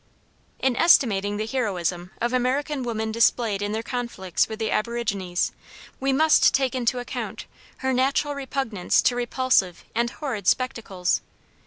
In estimating the heroism of American women displayed in their conflicts with the aborigines, we must take into account her natural repugnance to repulsive and horrid spectacles.